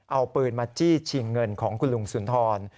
เอาปืนมาจี้ชิงเงินของคุณลุงสุนทร